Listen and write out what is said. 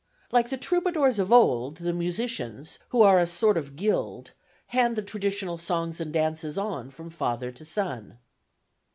Like the troubadours of old, the musicians, who are a sort of guild, hand the traditional songs and dances on from father to son.